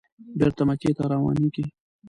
بېرته مکې ته روانېږي.